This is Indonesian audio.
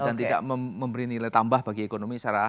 dan tidak memberi nilai tambah bagi ekonomi secara